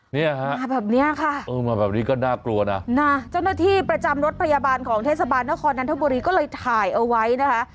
เนี่ยฮะมาแบบเนี้ยค่ะเออมาแบบนี้ก็น่ากลัวนะนะเจ้าหน้าที่ประจำรถพยาบาลของเทศบาลนครนันทบุรีก็เลยถ่ายเอาไว้นะคะ